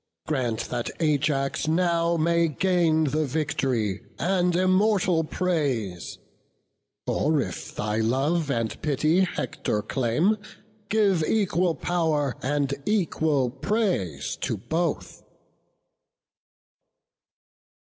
grant that Ajax now May gain the vict'ry, and immortal praise: Or if thy love and pity Hector claim, Give equal pow'r and equal praise to both."